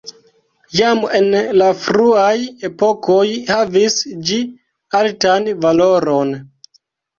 Jam en la fruaj epokoj havis ĝi altan valoron.